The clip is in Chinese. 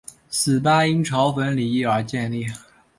此吧因嘲讽李毅而建立。